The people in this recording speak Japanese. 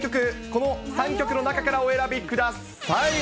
この３曲の中からお選びください。